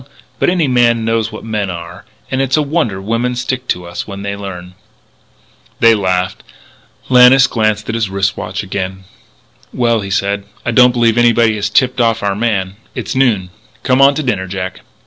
But any man knows what men are. And it's a wonder women stick to us when they learn." They laughed. Lannis glanced at his watch again. "Well," he said, "I don't believe anybody has tipped off our man. It's noon. Come on to dinner, Jack."